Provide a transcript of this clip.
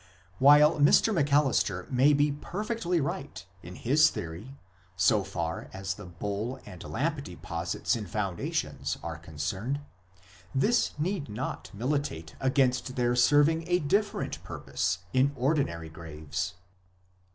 While Mr. Macalister may be perfectly right in his theory so far as the bowl and lamp deposits in foundations are concerned, this need not militate against their serving a different purpose in ordinary graves.